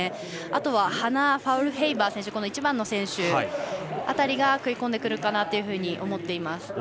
またハナ・ファウルヘイバー選手１番の選手辺りが食い込んでくるかなと思います。